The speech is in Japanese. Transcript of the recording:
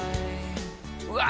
うわ